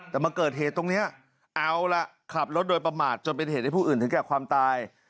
แต่มาเกิดเหตุตรงนี้เอาล่ะขับรถโดยประมาทจนเป็นเหตุให้ผู้อื่นถึงแก่ความตาย